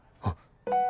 あっ。